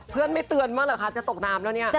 เพื่อนไม่เตือนมากหรือคะจะตกน้ำแล้วเนี่ย